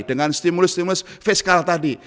dengan stimulus stimulus fiskal tadi